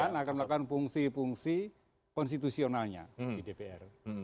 pan akan melakukan fungsi fungsi konstitusionalnya di dpr